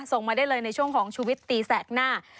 ส่งมาได้เลยในช่วงของชุวิตตีแสกหน้า